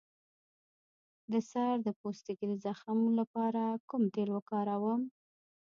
د سر د پوستکي د زخم لپاره کوم تېل وکاروم؟